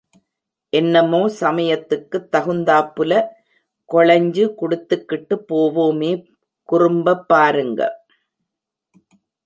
என்னமோ சமயத்துக்குத் தகுந்தாப்புலே, கொழைஞ்சு குடுத்துக்கிட்டுப் போவாமே, குறும்பப் பாருங்க!